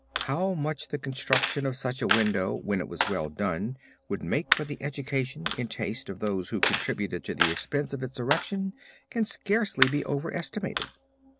How much the construction of such a window when it was well done, would make for the education in taste of those who contributed to the expense of its erection, can scarcely be over estimated.